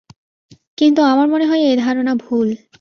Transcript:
কিন্তু আমার মনে হয় এই ধারণা ভুল।